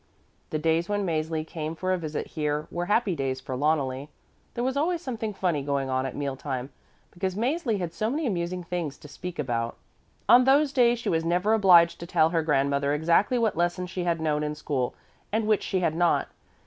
The days when Mäzli came for a visit here were happy days for Loneli. There was always something funny going on at meal time, because Mäzli had so many amusing things to speak about. On those days she was never obliged to tell her grandmother exactly what lessons she had known in school and which she had not.